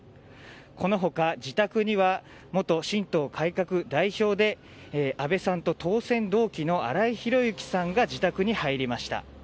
この他、自宅には元新党改革代表で安倍さんと当選同期の荒井広幸さんが自宅に入りました。